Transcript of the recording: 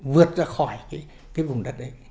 vượt ra khỏi cái vùng đất đấy